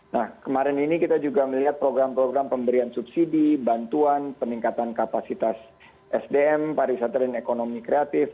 nah kemarin ini kita juga melihat program program pemberian subsidi bantuan peningkatan kapasitas sdm pariwisata dan ekonomi kreatif